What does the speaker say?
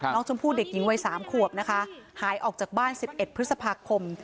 น้องชมพู่เด็กยิงวัยสามขวบนะคะหายออกจากบ้านสิบเอ็ดพฤษภาคคม